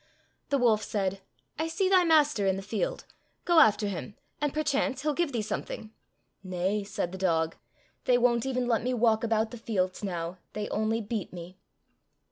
The wolf said, " I see thy master in the field ; go after him, and perchance he'll give thee something." —*' Nay," said the dog, " they won't even let me walk about the fields now, they only beat me."